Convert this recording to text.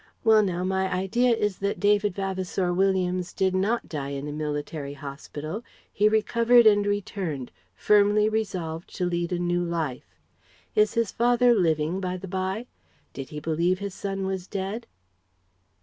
Well now, my idea is that David Vavasour Williams did not die in a military hospital; he recovered and returned, firmly resolved to lead a new life. Is his father living by the bye? Did he believe his son was dead?"